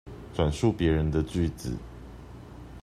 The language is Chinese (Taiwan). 轉述別人的句子